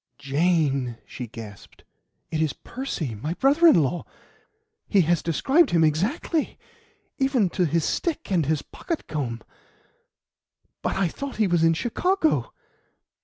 "Jane!" she gasped, "it is Percy my brother in law! He has described him exactly, even to his stick and his pocket comb. But I thought he was in Chicago."